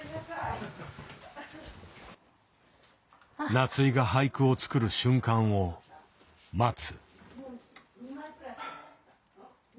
夏井が俳句を作る瞬間を待つ。